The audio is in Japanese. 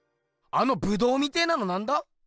あのブドウみてえなのなんだ？